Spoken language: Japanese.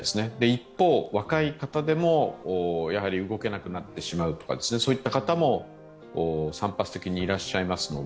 一方、若い方でも動けなくなってしまう、そういった方も散発的にいらっしゃいます。